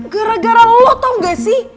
gara gara lo taung gak sih